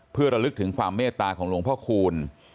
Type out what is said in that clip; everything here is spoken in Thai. เพื่อระลึกถึงความเมตตาของหลวงพ่อคูณ